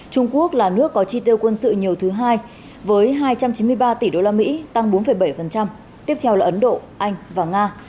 trung quốc là nước có chi tiêu quân sự nhiều thứ hai với hai trăm chín mươi ba tỷ usd tăng bốn bảy tiếp theo là ấn độ anh và nga